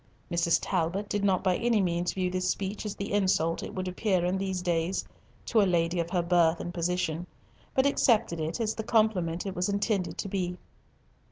Mrs. Talbot did not by any means view this speech as the insult it would in these days appear to a lady of her birth and position, but accepted it as the compliment it was intended to be.